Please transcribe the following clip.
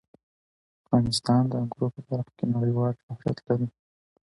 افغانستان د انګورو په برخه کې نړیوال شهرت لري.